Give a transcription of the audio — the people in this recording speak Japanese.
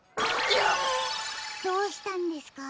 どうしたんですか？